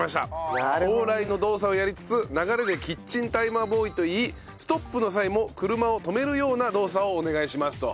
オーライの動作をやりつつ流れでキッチンタイマーボーイと言いストップの際も車を止めるような動作をお願いしますと。